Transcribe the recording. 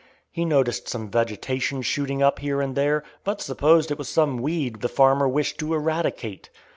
He noticed some vegetation shooting up here and there, but supposed it was some weed the farmer wished to eradicate.